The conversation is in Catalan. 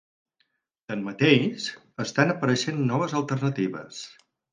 Tanmateix, estan apareixen noves alternatives.